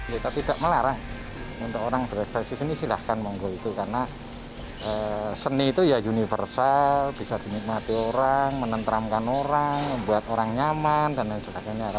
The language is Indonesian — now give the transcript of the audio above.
kita tidak melarang untuk orang berekspresi seni silahkan monggo itu karena seni itu ya universal bisa dinikmati orang menenteramkan orang membuat orang nyaman dan lain sebagainya